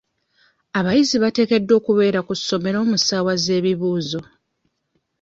Abayizi bateekeddwa okubeera ku ssomero mu ssaawa z'ebibuuzo.